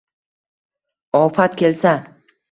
Ofat kelsa